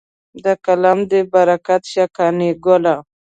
د قلم دې برکت شه قانع ګله.